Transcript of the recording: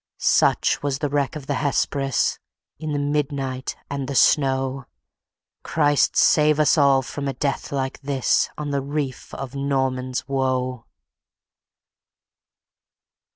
Such was the wreck of the Hesperus, In the midnight and the snow! Christ save us all from a death like this, On the reef of Norman's Woe!